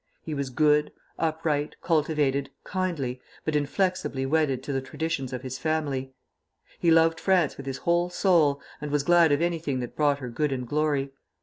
He was good, upright, cultivated, kindly, but inflexibly wedded to the traditions of his family. He loved France with his whole soul, and was glad of anything that brought her good and glory.